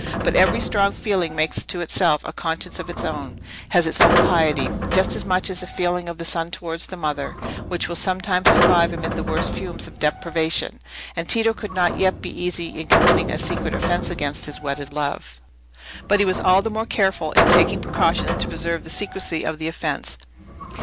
But every strong feeling makes to itself a conscience of its own—has its own piety; just as much as the feeling of the son towards the mother, which will sometimes survive amid the worst fumes of depravation; and Tito could not yet be easy in committing a secret offence against his wedded love. But he was all the more careful in taking precautions to preserve the secrecy of the offence.